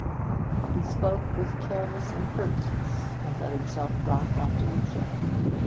He spoke with careless impertinence, and let himself drop on to a chair.